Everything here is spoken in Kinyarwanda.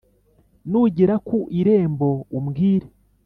nugera ku irembo umbwire